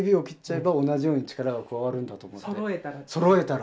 そろえたら。